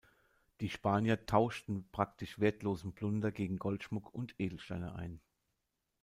Die Spanier tauschten praktisch wertlosen Plunder gegen Goldschmuck und Edelsteine ein.